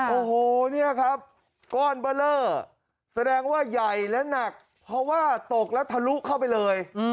โอ้โหเนี่ยครับก้อนเบอร์เลอร์แสดงว่าใหญ่และหนักเพราะว่าตกแล้วทะลุเข้าไปเลย